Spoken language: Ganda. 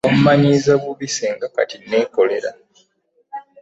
Wammanyiiza bubi ssinga kati nneekolerera.